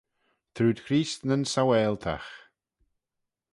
Trooid Chreest nyn Saualtagh.